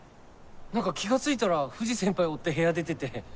何か気が付いたら藤先輩追って部屋出てて。